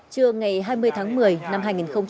trưa ngày hai mươi tháng một mươi năm hai nghìn hai mươi